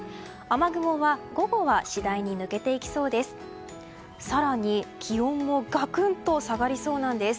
雨雲は午後は次第に抜けていきそうです。